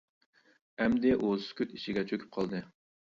ئەمدى ئۇ سۈكۈت ئىچىگە چۆكۈپ قالدى.